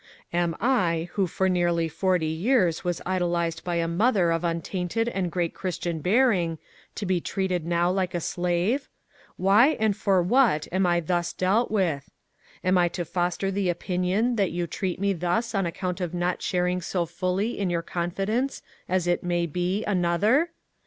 "Am I, who for nearly forty years was idolised by a mother of untainted and great Christian bearing, to be treated now like a slave? Why and for what am I thus dealt with? "Am I to foster the opinion that you treat me thus on account of not sharing so fully in your confidence as it may be, another?